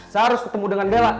saya harus ketemu dengan bella